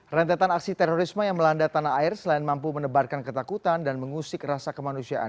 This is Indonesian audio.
rentetan aksi terorisme yang melanda tanah air selain mampu menebarkan ketakutan dan mengusik rasa kemanusiaan